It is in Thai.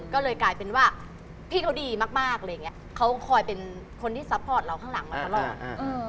ก็เลยกลายเป็นว่าพี่เค้าดีมากเค้าคอยเป็นคนที่ซัพพอร์ตเราข้างหลังเราทั้งรอบ